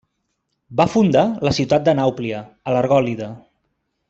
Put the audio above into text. Va fundar la ciutat de Nàuplia, a l'Argòlida.